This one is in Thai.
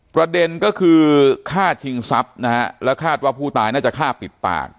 ประเด็นก็คือฆ่าชิงทรัพย์นะฮะแล้วคาดว่าผู้ตายน่าจะฆ่าปิดปาก